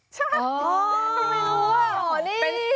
ใช่ไม่รู้ว่านี่